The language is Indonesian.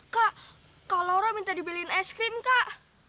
kak kak laura minta dibeliin ice cream kak